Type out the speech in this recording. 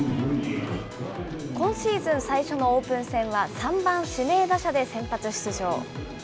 今シーズン最初のオープン戦は３番指名打者で先発出場。